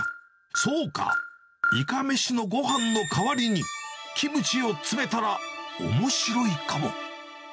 そうか、イカ飯のごはんの代わりに、キムチを詰めたら、おもしろいかも。